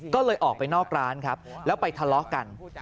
ก็เลยออกไปนอกร้านครับแล้วไปทะเลาะกัน